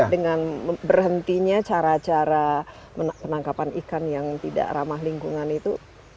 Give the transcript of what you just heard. dengan berhentinya cara cara penangkapan ikan yang tidak ramah lingkungan itu